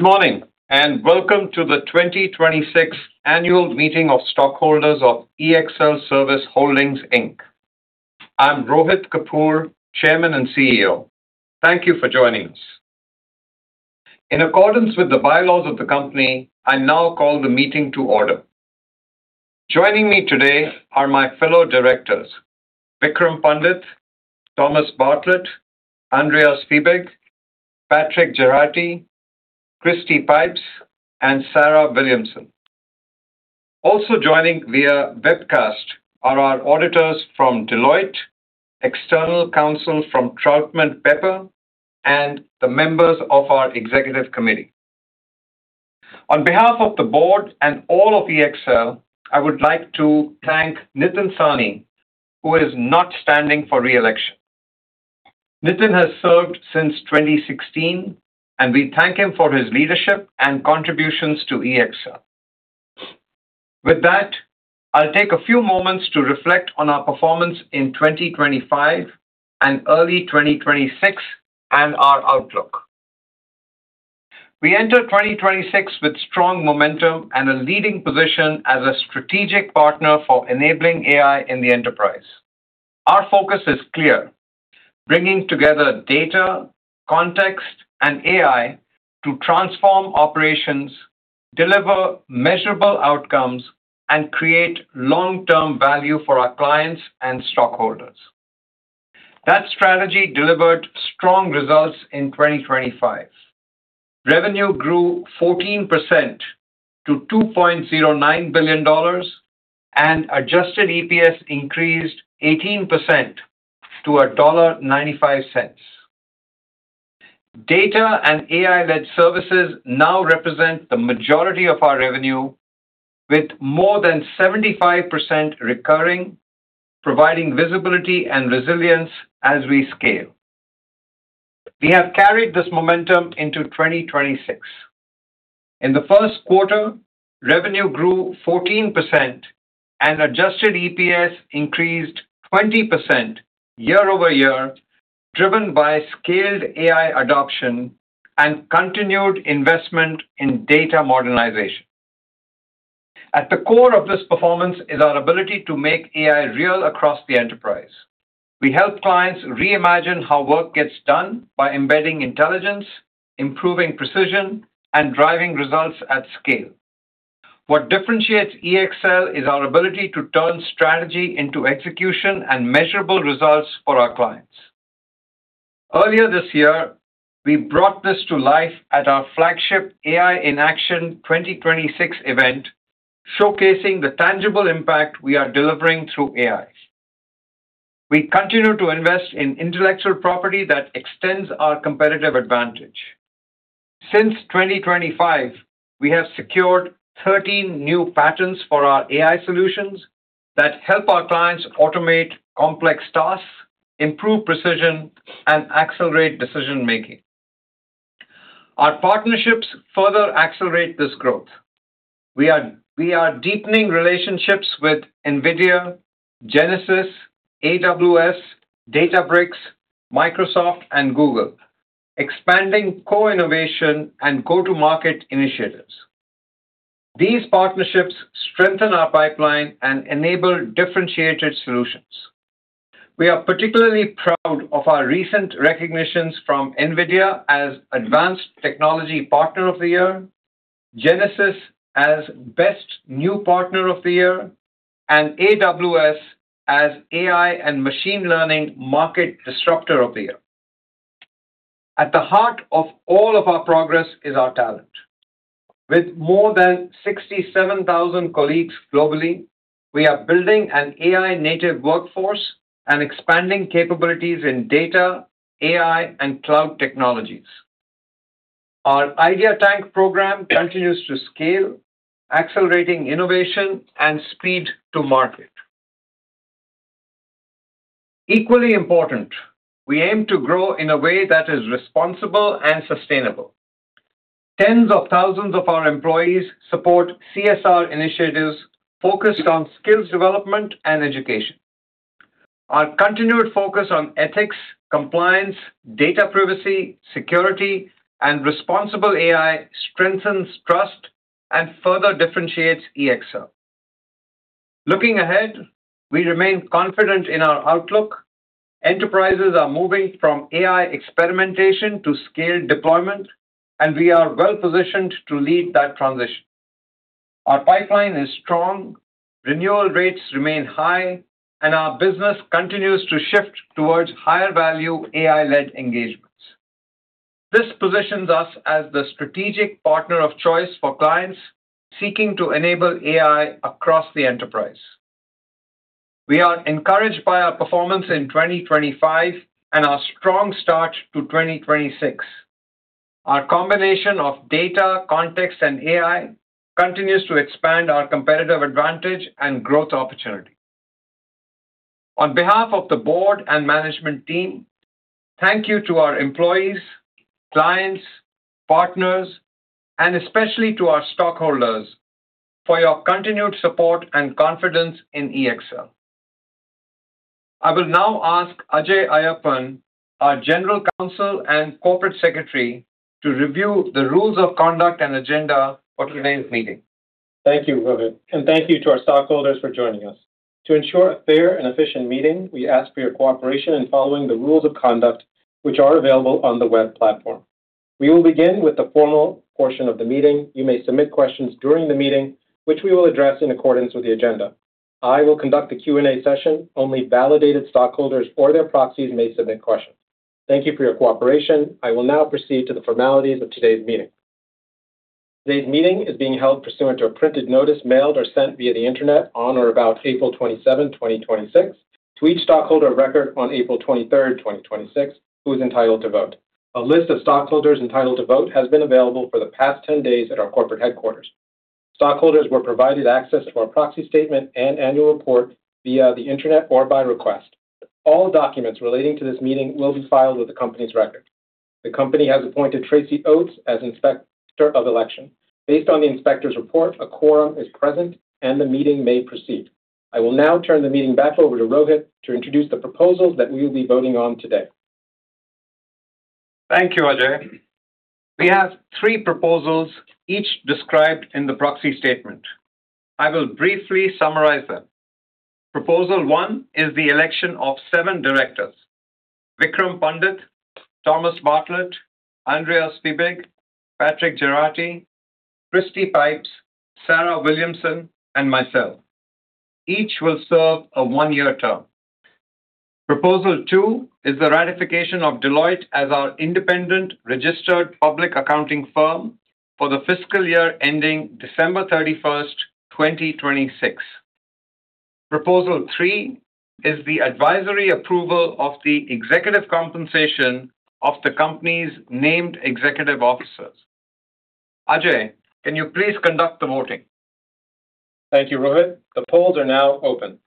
Good morning, welcome to the 2026 Annual Meeting of Stockholders of ExlService Holdings, Inc. I'm Rohit Kapoor, Chairman and CEO. Thank you for joining us. In accordance with the bylaws of the company, I now call the meeting to order. Joining me today are my fellow directors, Vikram Pandit, Thomas Bartlett, Andreas Fibig, Patrick Geraghty, Kristy Pipes, and Sarah Williamson. Also joining via webcast are our auditors from Deloitte, external counsel from Troutman Pepper, and the members of our executive committee. On behalf of the board and all of EXL, I would like to thank Nitin Sahney, who is not standing for re-election. Nitin has served since 2016, we thank him for his leadership and contributions to EXL. With that, I'll take a few moments to reflect on our performance in 2025 and early 2026, and our outlook. We enter 2026 with strong momentum and a leading position as a strategic partner for enabling AI in the enterprise. Our focus is clear: bringing together data, context, and AI to transform operations, deliver measurable outcomes, and create long-term value for our clients and stockholders. That strategy delivered strong results in 2025. Revenue grew 14% to $2.09 billion, and adjusted EPS increased 18% to $1.95. Data and AI-led services now represent the majority of our revenue, with more than 75% recurring, providing visibility and resilience as we scale. We have carried this momentum into 2026. In the first quarter, revenue grew 14%, and adjusted EPS increased 20% year-over-year, driven by scaled AI adoption and continued investment in data modernization. At the core of this performance is our ability to make AI real across the enterprise. We help clients reimagine how work gets done by embedding intelligence, improving precision, and driving results at scale. What differentiates EXL is our ability to turn strategy into execution and measurable results for our clients. Earlier this year, we brought this to life at our flagship AI in Action 2026 event, showcasing the tangible impact we are delivering through AI. We continue to invest in intellectual property that extends our competitive advantage. Since 2025, we have secured 13 new patents for our AI solutions that help our clients automate complex tasks, improve precision, and accelerate decision-making. Our partnerships further accelerate this growth. We are deepening relationships with NVIDIA, Genesys, AWS, Databricks, Microsoft, and Google, expanding co-innovation and go-to-market initiatives. These partnerships strengthen our pipeline and enable differentiated solutions. We are particularly proud of our recent recognitions from NVIDIA as Advanced Technology Partner of the Year, Genesys as Best New Partner of the Year, and AWS as AI and Machine Learning Market Disruptor of the Year. At the heart of all of our progress is our talent. With more than 67,000 colleagues globally, we are building an AI-native workforce and expanding capabilities in data, AI, and cloud technologies. Our IdeaTank program continues to scale, accelerating innovation and speed to market. Equally important, we aim to grow in a way that is responsible and sustainable. Tens of thousands of our employees support CSR initiatives focused on skills development and education. Our continued focus on ethics, compliance, data privacy, security, and responsible AI strengthens trust and further differentiates EXL. Looking ahead, we remain confident in our outlook. Enterprises are moving from AI experimentation to scaled deployment. We are well-positioned to lead that transition. Our pipeline is strong, renewal rates remain high, and our business continues to shift towards higher-value AI-led engagements. This positions us as the strategic partner of choice for clients seeking to enable AI across the enterprise. We are encouraged by our performance in 2025 and our strong start to 2026. Our combination of data, context, and AI continues to expand our competitive advantage and growth opportunity. On behalf of the board and management team, thank you to our employees, clients, partners, and especially to our stockholders for your continued support and confidence in EXL. I will now ask Ajay Ayyappan, our General Counsel and Corporate Secretary, to review the rules of conduct and agenda for today's meeting. Thank you, Rohit, and thank you to our stockholders for joining us. To ensure a fair and efficient meeting, we ask for your cooperation in following the rules of conduct, which are available on the web platform. We will begin with the formal portion of the meeting. You may submit questions during the meeting, which we will address in accordance with the agenda. I will conduct the Q&A session. Only validated stockholders or their proxies may submit questions. Thank you for your cooperation. I will now proceed to the formalities of today's meeting. Today's meeting is being held pursuant to a printed notice mailed or sent via the Internet on or about April 27th, 2026 to each stockholder of record on April 23rd, 2026 who is entitled to vote. A list of stockholders entitled to vote has been available for the past 10 days at our corporate headquarters. Stockholders were provided access to our proxy statement and annual report via the Internet or by request. All documents relating to this meeting will be filed with the company's record. The company has appointed Tracy Oates as Inspector of Election. Based on the inspector's report, a quorum is present. The meeting may proceed. I will now turn the meeting back over to Rohit to introduce the proposals that we will be voting on today. Thank you, Ajay. We have three proposals, each described in the proxy statement. I will briefly summarize them. Proposal 1 is the election of seven directors, Vikram Pandit, Thomas Bartlett, Andreas Fibig, Patrick Geraghty, Kristy Pipes, Sarah Williamson, and myself. Each will serve a one-year term. Proposal 2 is the ratification of Deloitte as our independent registered public accounting firm for the fiscal year ending December 31st, 2026. Proposal 3 is the advisory approval of the executive compensation of the company's named executive officers. Ajay, can you please conduct the voting? Thank you, Rohit. The polls are now open.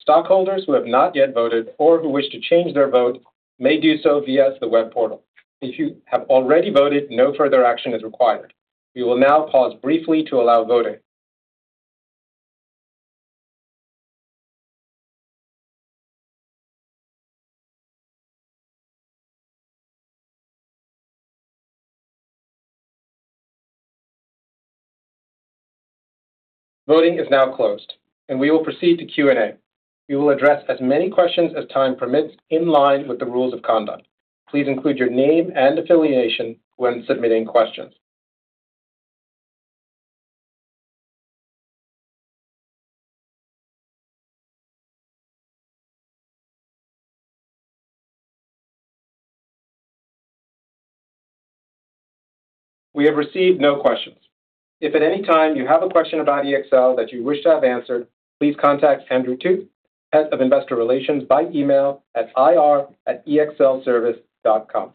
Stockholders who have not yet voted or who wish to change their vote may do so via the web portal. If you have already voted, no further action is required. We will now pause briefly to allow voting. Voting is now closed, and we will proceed to Q&A. We will address as many questions as time permits in line with the rules of conduct. Please include your name and affiliation when submitting questions. We have received no questions. If at any time you have a question about EXL that you wish to have answered, please contact Andrew Thut, Head of Investor Relations, by email at ir@exlservice.com.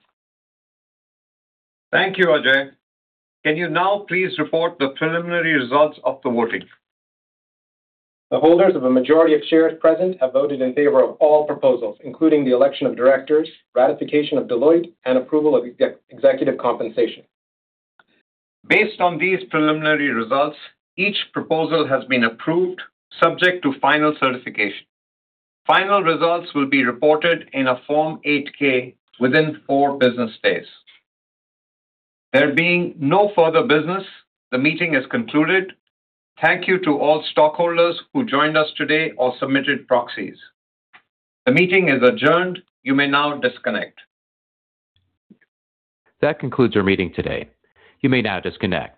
Thank you, Ajay. Can you now please report the preliminary results of the voting? The holders of a majority of shares present have voted in favor of all proposals, including the election of directors, ratification of Deloitte, and approval of executive compensation. Based on these preliminary results, each proposal has been approved subject to final certification. Final results will be reported in a Form 8-K within four business days. There being no further business, the meeting is concluded. Thank you to all stockholders who joined us today or submitted proxies. The meeting is adjourned. You may now disconnect. That concludes our meeting today. You may now disconnect.